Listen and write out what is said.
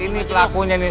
ini pelakunya nih